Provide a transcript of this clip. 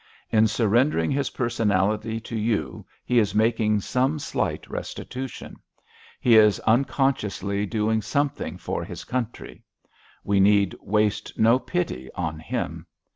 In surrendering his personality to you he is making some slight restitution; he is unconsciously doing something for his country. We need waste no pity on him.